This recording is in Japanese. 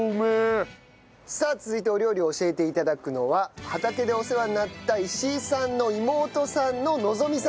さあ続いてお料理を教えて頂くのは畑でお世話になった石井さんの妹さんの望さんです。